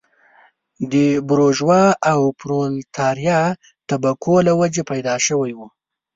د بورژوا او پرولتاریا طبقو له وجهې پیدا شوی و.